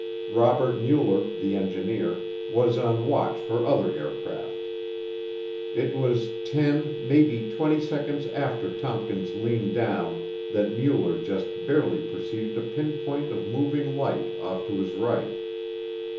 Robert Mueller, the engineer, was on watch for other aircraft. It was ten, maybe twenty seconds after Tompkins leaned down that Mueller just barely perceived a pinpoint of moving light off to his right.